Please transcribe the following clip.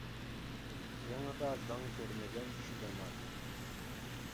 زېڭىدا زاڭ كۆرمىگەن، چۈشىدە نان.